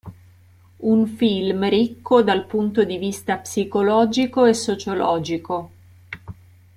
Un film ricco dal punto di vista psicologico e sociologico".